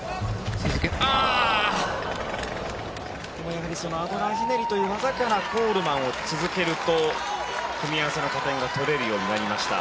ここもアドラーひねりという技からコールマンを続けると組み合わせの加点が取れるようになりました。